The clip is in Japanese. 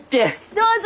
どうぞ！